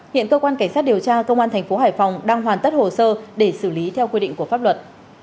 hiện cơ quan cảnh sát điều tra công an thành phố hải phòng đang hoàn tất hồ sơ để xử lý theo quy định của pháp luật